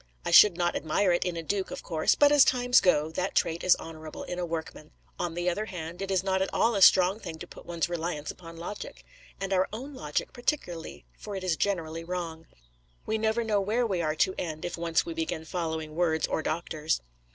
I should not admire it in a duke, of course; but as times go, the trait is honourable in a workman. On the other hand, it is not at all a strong thing to put one's reliance upon logic; and our own logic particularly, for it is generally wrong. We never know where we are to end, if once we begin following words or doctors.